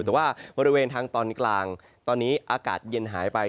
แต่ว่าบริเวณทางตอนกลางตอนนี้อากาศเย็นหายไป